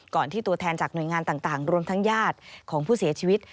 ที่ตัวแทนจากหน่วยงานต่างรวมทั้งญาติของผู้เสียชีวิต